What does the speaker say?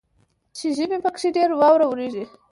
چې ژمي پکښې ډیره واوره اوریږي.